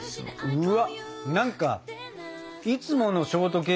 うわ。